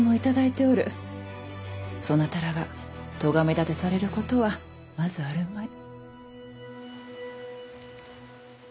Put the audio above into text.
そなたらがとがめ立てされることはまずあるまい。